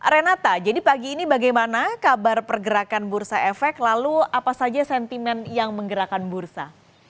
renata jadi pagi ini bagaimana kabar pergerakan bursa efek lalu apa saja sentimen yang menggerakkan bursa